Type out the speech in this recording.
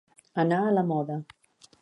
Anar a la moda.